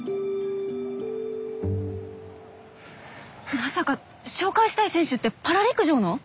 まさか紹介したい選手ってパラ陸上の？